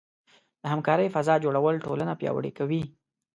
د همکارۍ فضاء جوړول ټولنه پیاوړې کوي.